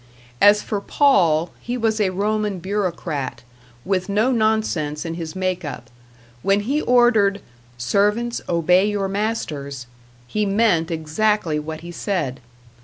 As for Paul, he was a Roman bureaucrat, with no nonsense in his make up; when he ordered, "Servants obey your masters," he meant exactly what he said.